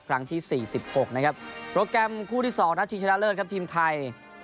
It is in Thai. ที่๔๖นะครับโปรแกรมคู่ที่๒นัดชิงชนะเลิศครับทีมไทย